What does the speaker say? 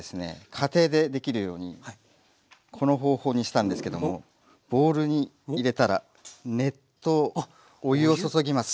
家庭でできるようにこの方法にしたんですけどもボウルに入れたら熱湯お湯を注ぎます。